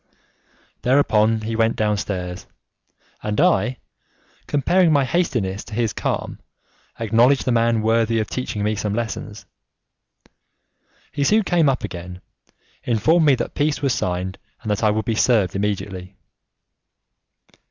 Thereupon he went downstairs, and I, comparing my hastiness to his calm, acknowledged the man worthy of teaching me some lessons. He soon came up again, informed me that peace was signed, and that I would be served immediately.